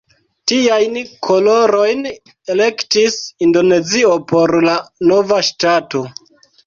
Tiajn kolorojn elektis Indonezio por la nova ŝtato.